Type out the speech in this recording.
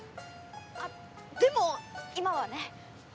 あっでも今はねほら